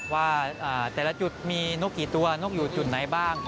ว่าแต่ละจุดมีนกกี่ตัวนกอยู่จุดไหนบ้าง